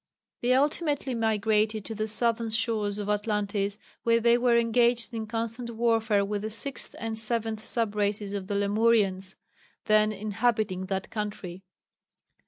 They ultimately migrated to the southern shores of Atlantis, where they were engaged in constant warfare with the sixth and seventh sub races of the Lemurians then inhabiting that country.